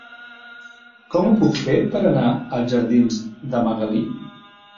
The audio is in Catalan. Com ho puc fer per anar als jardins de Magalí?